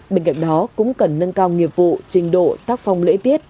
bên cạnh đó cũng cần nâng cao nghiệp vụ trình độ tác phong lễ tiết